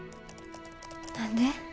何で？